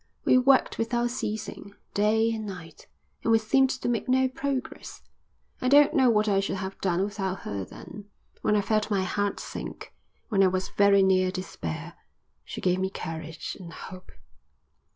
We worked without ceasing, day and night, and we seemed to make no progress. I don't know what I should have done without her then. When I felt my heart sink, when I was very near despair, she gave me courage and hope."